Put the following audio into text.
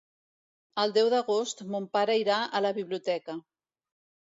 El deu d'agost mon pare irà a la biblioteca.